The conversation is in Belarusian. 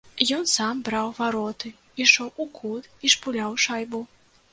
Ён сам браў вароты, ішоў у кут і шпуляў шайбу.